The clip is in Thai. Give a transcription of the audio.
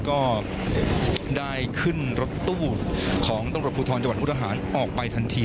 ก็ได้ขึ้นรถตู้ของตรงประพุทธรจังหวัดมุกราหารออกไปทันที